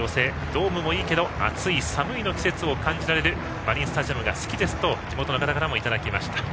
ドームもいいけど暑い寒い季節を感じられるマリンスタジアムが好きですと地元の方からもいただきました。